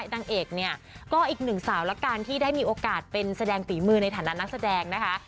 นางเอกเนี่ยก็อีกหนึ่งสาวละกันที่ได้มีโอกาสเป็นแสดงฝีมือในฐานะนักแสดงนะคะ